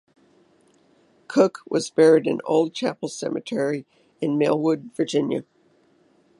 Cooke was buried in Old Chapel Cemetery in Millwood, Virginia.